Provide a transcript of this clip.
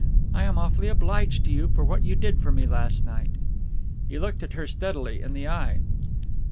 I am awfully obliged to you for what you did for me last night." He looked at her steadily in the eye.